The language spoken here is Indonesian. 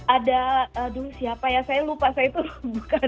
ada dulu siapa ya saya lupa saya itu bukan